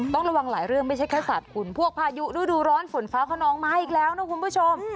ต้องระวังหลายเรื่องไม่ใช่แค่สัตว์คุณพวกพายุฤดูร้อนฝนฟ้าขนองมาอีกแล้วนะคุณผู้ชม